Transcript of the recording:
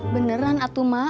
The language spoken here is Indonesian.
beneran atu ma